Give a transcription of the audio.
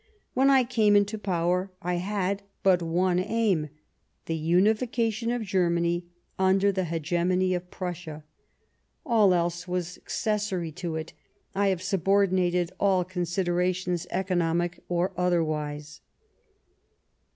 . When I came into power, I had but one aim — the unification of Germany under the hege mony of Prussia. All else was accessory ; to it I have subordinated all considerations, economic or otherwise."